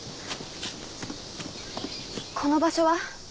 この場所は？